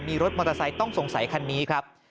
มีรถมอเตอร์ไซค์ต้องสงสัยคันนี้ครับ